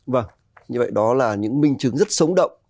vâng như vậy đó là những minh chứng rất sống động